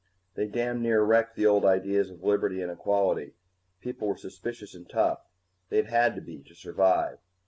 They damned near wrecked the old ideas of liberty and equality. People were suspicious and tough they'd had to be, to survive.